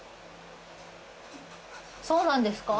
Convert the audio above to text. そうなんですか？